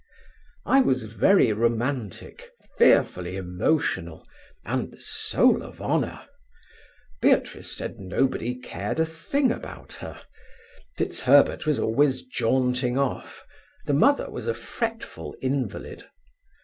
"I was very romantic, fearfully emotional, and the soul of honour. Beatrice said nobody cared a thing about her. FitzHerbert was always jaunting off, the mother was a fretful invalid.